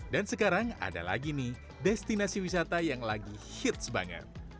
dan sekarang ada lagi nih destinasi wisata yang lagi hits banget